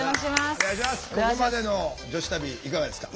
ここまでの女子旅いかがですか？